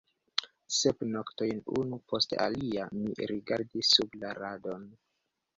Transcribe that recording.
Sep noktojn unu post alia mi rigardis sub la radon.